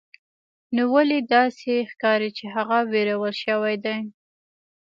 نو ولې داسې ښکاري چې هغه ویرول شوی دی